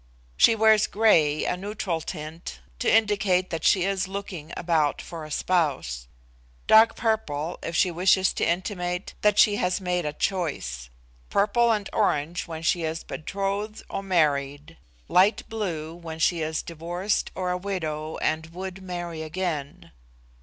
She wears gray, a neutral tint, to indicate that she is looking about for a spouse; dark purple if she wishes to intimate that she has made a choice; purple and orange when she is betrothed or married; light blue when she is divorced or a widow, and would marry again.